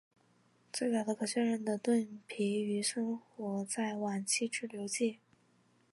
最早的可确认的盾皮鱼生活在晚期志留纪。